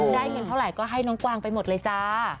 ได้เงินเท่าไหร่ก็ให้น้องกวางไปหมดเลยจ้า